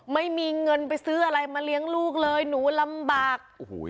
ไม่มีเงินไปซื้ออะไรมาเลี้ยงลูกเลยหนูลำบาก